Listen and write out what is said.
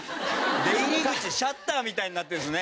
出入り口シャッターみたいになってるんですね。